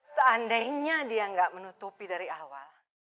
seandainya dia nggak menutupi dari awal